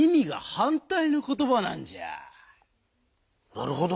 なるほど！